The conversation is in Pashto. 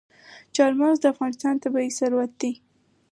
چار مغز د افغانستان طبعي ثروت دی.